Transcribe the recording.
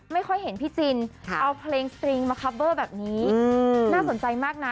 ไม่ค่อยเห็นพี่จินค่ะเอาเพลงมาแบบนี้อืมน่าสนใจมากน่ะ